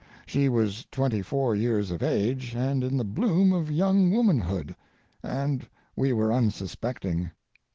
She was twenty four years of age and in the bloom of young womanhood, and we were unsuspecting.